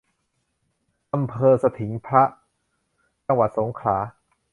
อำเภอสทิงพระ จังหวัดสงขลา